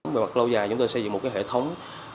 về mặt lâu dài chúng tôi xây dựng một hệ thống